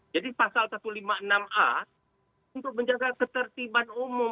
jadi pasal satu ratus lima puluh enam a untuk menjaga keteriban umum